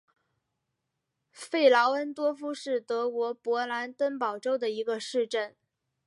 弗劳恩多夫是德国勃兰登堡州的一个市镇。